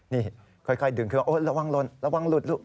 นี่ค่อยดึงเขาโอ๊ยระวังลดระวังหลุด